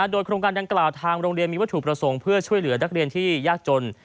โดยโครงการดังกล่าวทางโรงเรียนมีวัตถุประสงค์เพื่อช่วยเหลือนักเรียนที่ยากจน